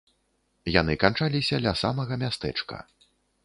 Яны канчаліся ля самага мястэчка.